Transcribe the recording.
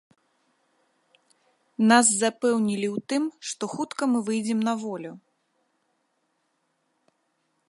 Нас запэўнілі ў тым, што хутка мы выйдзем на волю.